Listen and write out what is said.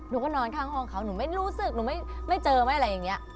หนูก็นอนข้างห้องเขาหนูไม่รู้สึกหนูไม่เจอไม่อะไรอย่างนี้